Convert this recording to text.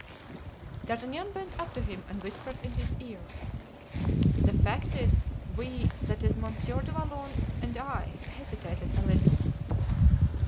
D'Artagnan went up to him and whispered in his ear: "The fact is, we, that is, Monsieur du Vallon and I, hesitated a little."